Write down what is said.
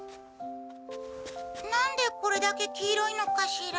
何でこれだけ黄色いのかしら。